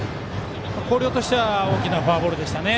広陵としては大きなフォアボールでしたね。